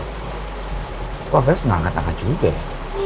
kok agak senang angkat angkat juga ya